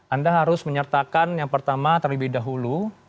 anda harus menyertakan yang pertama terlebih dahulu